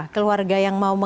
keluarga yang mau mengambil